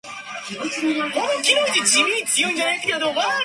不如推坑某人好了